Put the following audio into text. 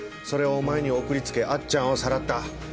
それをお前に送りつけあっちゃんをさらった。